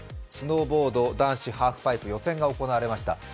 スノーボード男子ハーフパイプ予選が行われました。